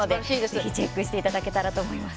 ぜひチェックしていただけたらと思います。